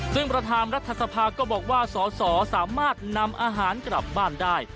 ซึ่งประธานรัฐสภาก็บอกว่าสอสอสามารถนำอาหารกลับบ้านได้